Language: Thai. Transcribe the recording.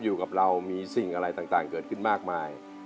อยู่กับเรามีสิ่งอะไรต่างเกิดขึ้นมากมาย